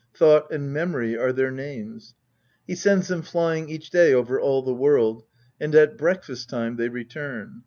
Thought and Memory are their names. He sends them flying each day over all the world, and at breakfast time they return.